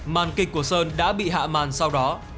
màn kịch của sơn đã bị hạ màn sau đó